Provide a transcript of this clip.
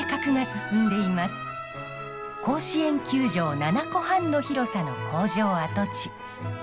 甲子園球場７個半の広さの工場跡地。